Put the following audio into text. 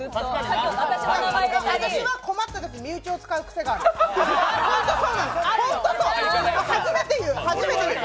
私は困ったとき、身内を使うくせがあるんです。